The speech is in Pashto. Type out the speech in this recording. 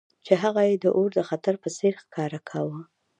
چې هغه یې د اور د خطر په څیر ښکاره کاوه